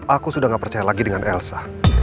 aku sudah gak percaya lagi dengan elsa